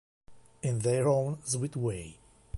In Their Own Sweet Way